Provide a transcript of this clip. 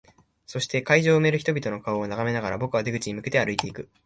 そして、会場を埋める人々の顔を眺めながら、僕は出口に向けて歩いていく。